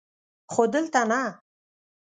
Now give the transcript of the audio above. خو دلته نه!